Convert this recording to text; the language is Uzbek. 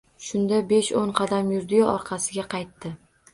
Shunda, besh-o`n qadam yurdi-yu orqasiga qaytdi…